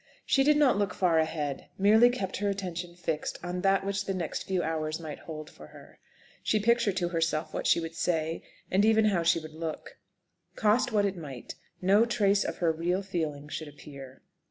She did not look far ahead; merely kept her attention fixed on that which the next few hours might hold for her. She pictured to herself what she would say, and even how she would look. Cost what it might, no trace of her real feelings should appear.